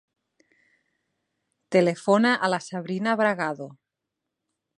Telefona a la Sabrina Bragado.